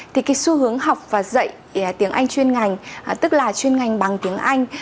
thì cái xu hướng học và dạy tiếng anh chuyên ngành tức là chuyên ngành bằng tiếng anh